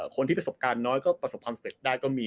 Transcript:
คนที่ประสบการณ์น้อยก็ประสบความสำเร็จได้ก็มี